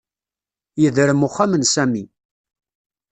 Yedrem uxxam n Sami